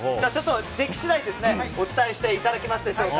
でき次第お伝えしていただけるでしょうか。